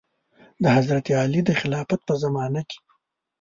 د حضرت علي د خلافت په زمانه کې.